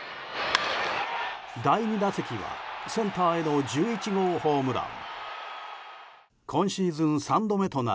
第２打席はセンターへの１１号ホームラン。